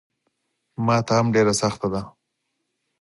ماته هم ډېره سخته ده.